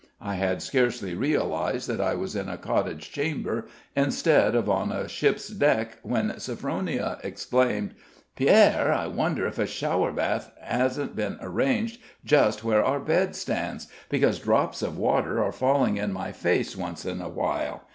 I had scarcely realized that I was in a cottage chamber instead of on a ship's deck, when Sophronia exclaimed: "Pierre, I wonder if a shower bath hasn't been arranged just where our bed stands? because drops of water are falling in my face once in a while.